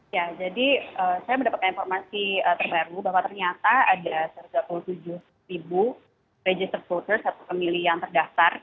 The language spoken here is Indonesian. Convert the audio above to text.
ya jadi saya mendapatkan informasi terbaru bahwa ternyata ada tiga puluh tujuh ribu register voters atau pemilih yang terdaftar